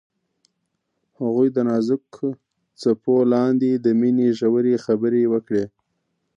هغوی د نازک څپو لاندې د مینې ژورې خبرې وکړې.